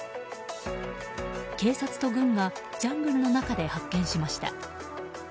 警察と軍がジャングルの中で発見しました。